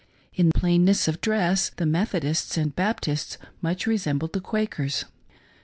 In plainness of dress the Methodists and Baptists much resembled the Quakers.